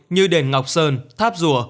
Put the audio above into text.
như đền ngọc sơn tháp rùa